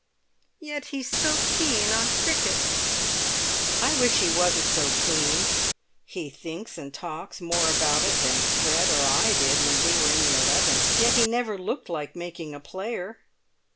"Yet he's so keen on cricket!" "I wish he wasn't so keen; he thinks and talks more about it than Fred or I did when we were in the eleven, yet he never looked like making a player."